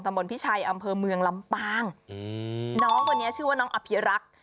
บนพิชัยอำเภอเมืองลำปางอืมน้องคนนี้ชื่อว่าน้องอภิรักษ์